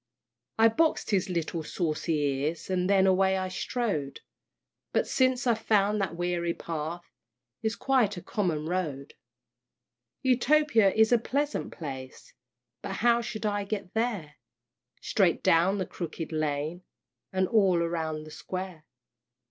I box'd his little saucy ears, And then away I strode; But since I've found that weary path Is quite a common road. Utopia is a pleasant place, But how shall I get there? "Straight down the Crooked Lane, And all round the Square."